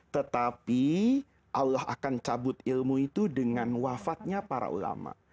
tetapi allah akan cabut ilmu itu dengan wafatnya para ulama